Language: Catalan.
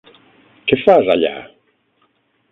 Què fas allà?